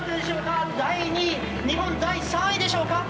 第２位日本第３位でしょうか？